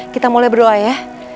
kita mulai berdoa ya